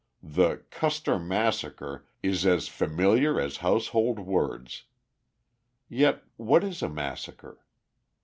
The "Custer massacre" is as "familiar as household words." Yet what is a massacre?